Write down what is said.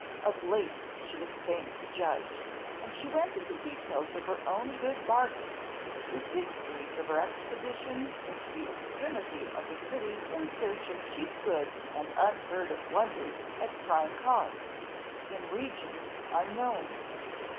Of lace she was a famous judge, and she went into details of her own good bargains, with histories of her expeditions into the extremity of the city in search of cheap goods and unheard of wonders at prime cost, in regions unknown.